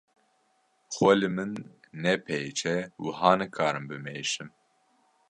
Xwe li min nepêçe wiha nikarim bimeşim.